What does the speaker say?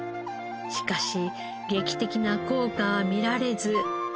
しかし劇的な効果は見られず。